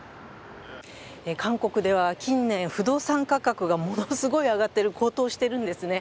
韓国では近年、不動産価格がものすごい上がっている、高騰しているんですね。